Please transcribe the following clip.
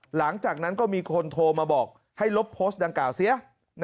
หลังจากนั้นก็มีคนโทรมาบอกให้ลบโพสต์ดังกล่าวเสีย